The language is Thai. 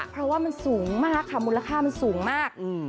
เพราะว่ามันสูงมากค่ะมูลค่ามันสูงมาก